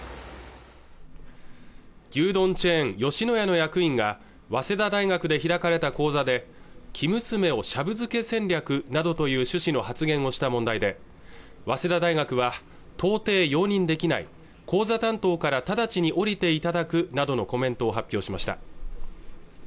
牛丼チェーン吉野家の役員が早稲田大学で開かれた講座で生娘をシャブ漬け戦略などという趣旨の発言をした問題で早稲田大学は到底容認できない講座担当から直ちに降りていただくなどのコメントを発表しました